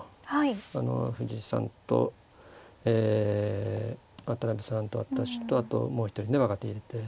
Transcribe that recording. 藤井さんと渡辺さんと私とあともう一人ね若手入れて。